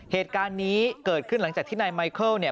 เหตุการณ์นี้เกิดขึ้นหลังจากที่นายไมเคิลเนี่ย